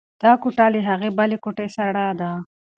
دا کوټه له هغې بلې کوټې سړه ده.